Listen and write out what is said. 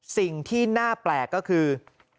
สิ่งที่น่าแปลกก็คือ